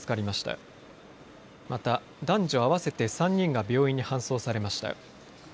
また男女合わせて３人が病院に搬送されました。